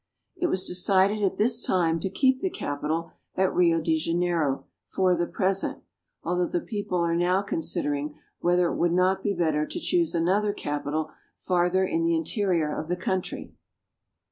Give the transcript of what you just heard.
It was decided at this time to keep the capital at Rio de Janeiro for the present, although the people are now con sidering whether it would not be better to choose another capital farther in the interior of the country.